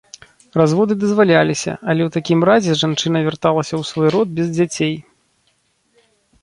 Разводы дазваляліся, але ў такім разе жанчына вярталася ў свой род без дзяцей.